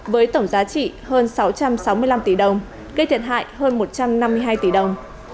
với tổng giá trị hơn sáu trăm sáu mươi năm tỷ đồng gây thiệt hại hơn một trăm năm mươi hai tỷ đồng